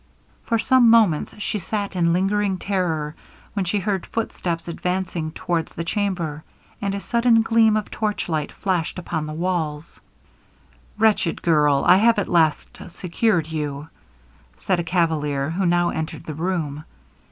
For some moments she sat in lingering terror, when she heard footsteps advancing towards the chamber, and a sudden gleam of torchlight flashed upon the walls. 'Wretched girl! I have at least secured you!' said a cavalier, who now entered the room.